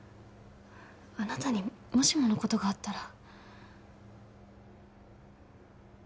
あなたにもしものことがあったら